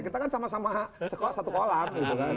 kita kan sama sama sekolah satu kolam